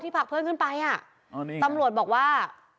ผลักเพื่อนขึ้นไปอ่ะตำรวจบอกว่า